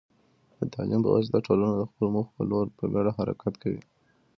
د تعلیم په واسطه، ټولنه د خپلو موخو په لور په ګډه حرکت کوي.